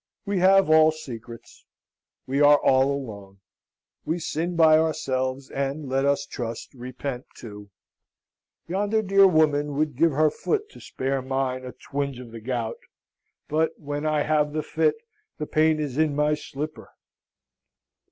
We have all secrets. We are all alone. We sin by ourselves, and, let us trust, repent too. Yonder dear woman would give her foot to spare mine a twinge of the gout; but, when I have the fit, the pain is in my slipper.